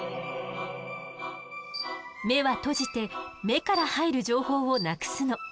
目は閉じて目から入る情報をなくすの。